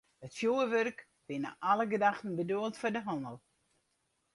It fjoerwurk wie nei alle gedachten bedoeld foar de hannel.